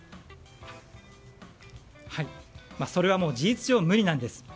それはもう事実上無理なんです。